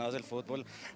dan kami suka bola